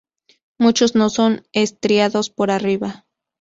Muchos no son estriados por arriba.